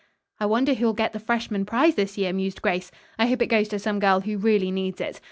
"I wonder who'll get the freshman prize this year?" mused Grace. "I hope it goes to some girl who really needs it.